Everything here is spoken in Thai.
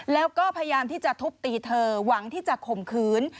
แล้วก็พยายามที่จะทุบตีเธอหวังที่จะข่มขืน